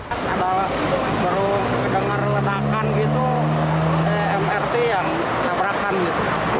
ada beru terdengar letakan gitu mrt yang tabrakan gitu